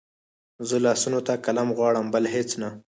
زه لاسونو ته قلم غواړم بل هېڅ نه